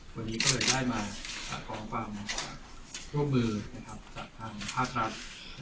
ตอนนี้ได้มาครอบความร่วมมือจากทางภาครัฐ